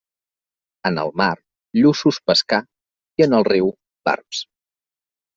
En el mar, lluços pescar; i en el riu, barbs.